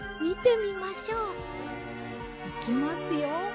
いきますよ。